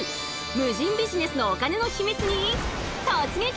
無人ビジネスのお金のヒミツに突撃！